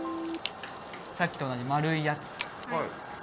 さっきと同じまるいやつ